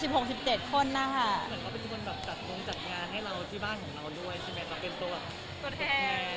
เหมือนเขาเป็นคนแบบจัดงงจัดงานให้เราที่บ้านของเราด้วยใช่ไหมครับเป็นตัวแบบตัวแทน